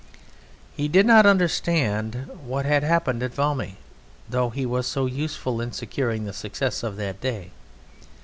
He did not understand what had happened at Valmy, though he was so useful in securing the success of that day.